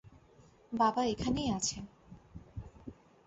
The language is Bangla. বাবা এখানেই আছে।